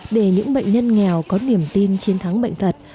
để những bệnh nhân nghèo có niềm tin chiến thắng bệnh thật